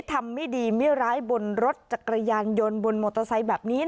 ทำไม่ดีไม่ร้ายบนรถจักรยานยนต์บนมอเตอร์ไซค์แบบนี้